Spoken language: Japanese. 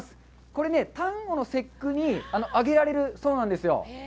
これね端午の節句に揚げられるそうなんですよ。